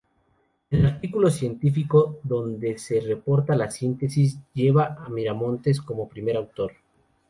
El artículo científico donde se reporta la síntesis lleva a Miramontes como primer autor.